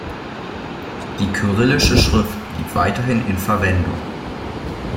Die kyrillische Schrift blieb weiterhin in Verwendung.